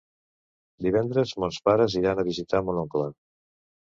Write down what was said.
Divendres mons pares iran a visitar mon oncle.